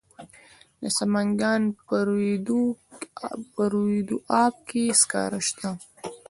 د سمنګان په روی دو اب کې سکاره شته.